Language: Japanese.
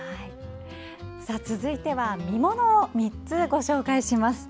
続いては実ものを３つご紹介します。